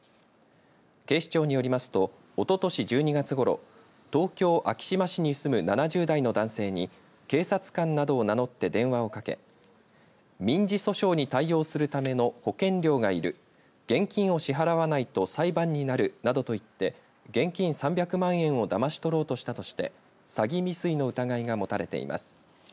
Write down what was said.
警視庁によりますとおととし１２月ごろ東京、昭島市に住む７０代の男性に警察官などを名乗って電話をかけ民事訴訟に対応するための保険料がいる現金を支払わないと裁判になるなどと言って現金３００万円をだまし取ろうとしたとして詐欺未遂の疑いが持たれています。